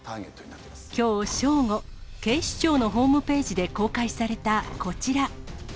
きょう正午、警視庁のホームページで公開されたこちら。